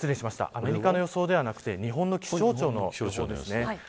アメリカの予想ではなくて日本の気象庁の方ですね。